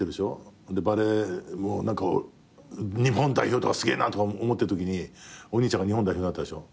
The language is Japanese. バレー日本代表とかすげえなとか思ってるときにお兄ちゃんが日本代表になったでしょ。